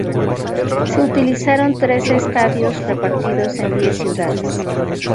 Se utilizaron trece estadios repartidos en diez ciudades.